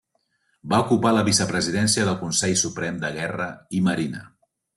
Va ocupar la vicepresidència del Consell Suprem de Guerra i Marina.